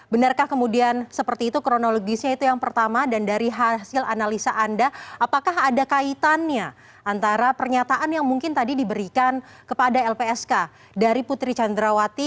benarkah kemudian seperti itu kronologisnya itu yang pertama dan dari hasil analisa anda apakah ada kaitannya antara pernyataan yang mungkin tadi diberikan kepada lpsk dari putri candrawati